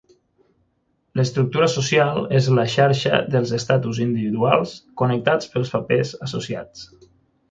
L'estructura social és la xarxa dels estatus individuals connectats pels papers associats.